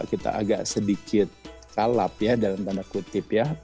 kita agak sedikit kalap ya dalam tanda kutip ya